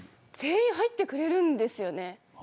全員入ってくれるんですよね。